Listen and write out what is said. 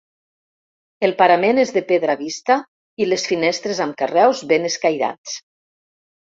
El parament és de pedra vista i les finestres amb carreus ben escairats.